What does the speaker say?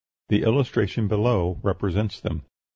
The illustrations below represent them.